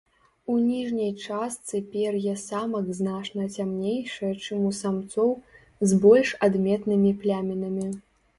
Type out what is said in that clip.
У ніжняй частцы пер'е самак значна цямнейшае чым у самцоў, з больш адметнымі плямінамі.